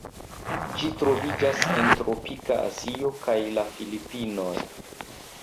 Ĝi troviĝas en tropika Azio kaj la Filipinoj.